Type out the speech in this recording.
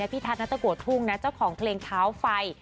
พี่ทัศนัตรกวดทุ่งนะเจ้าของเพลงเท้าไฟ